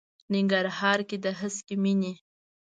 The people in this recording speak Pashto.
ننګرهار کې د هسکې مېنې.